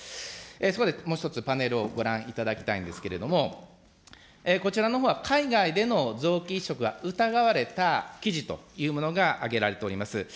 そこでもう１つパネルをご覧いただきたいんですけれども、こちらのほうは海外での臓器移植が疑われた記事というものがあげられております。